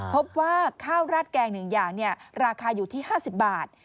พบว่าข้าวราดแกง๑อย่างราคาอยู่ที่๕๐บาท